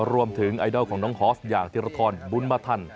ไอดอลของน้องฮอสอย่างธิรทรบุญมาทัน